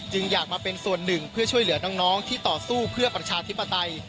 อยากมาเป็นส่วนหนึ่งเพื่อช่วยเหลือน้องที่ต่อสู้เพื่อประชาธิปไตย